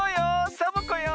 サボ子よ。